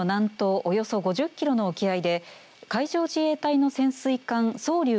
およそ５０キロの沖合で海上自衛隊の潜水艦そう